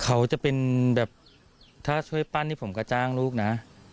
เขาจะเป็นแบบถ้าช่วยปั้นนี่ผมก็จ้างลูกนะ